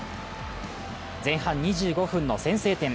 前半２５分の先制点。